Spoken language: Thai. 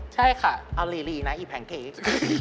ใช่ค่ะเอาหลีนะอี๊บแผงเค้ก